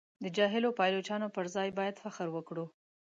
د جاهلو پایلوچانو پر ځای باید فخر وکړو.